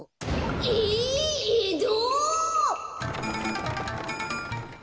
え！えど！？